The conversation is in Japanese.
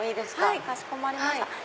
かしこまりました。